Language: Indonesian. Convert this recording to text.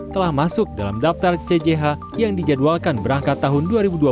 telah masuk dalam daftar cjh yang dijadwalkan berangkat tahun dua ribu dua puluh